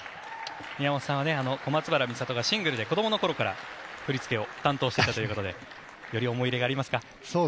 宮本さんは小松原美里がシングルで子どもの頃から振り付けを担当していたということでより思い入れがありますか。